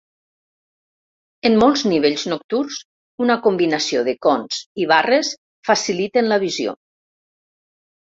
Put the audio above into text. En molts nivells nocturns, una combinació de cons i barres faciliten la visió.